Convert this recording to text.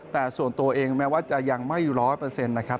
แต่ส่วนตัวเองแม้ว่าจะยังไม่ร้อยเปอร์เซ็นต์นะครับ